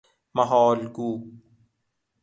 محال گو